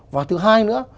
và thứ hai nữa